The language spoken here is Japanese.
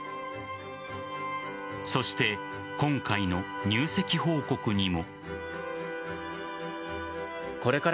そして今回の入籍報告にも。